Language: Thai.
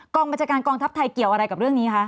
บัญชาการกองทัพไทยเกี่ยวอะไรกับเรื่องนี้คะ